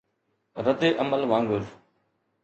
رد عمل وانگر